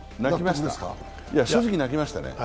正直、泣きましたね。